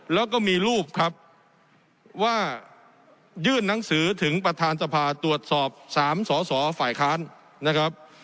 แล้วก็มีรูปครับว่ายื่นหนังสือถึงประธานสภาตรวจสอบ๓สอสอฝ่ายค้านนะครับ